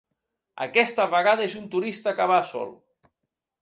Aquesta vegada és un turista que va sol.